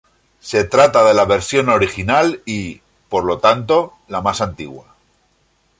Se trata de la versión original y, por lo tanto, la más antigua.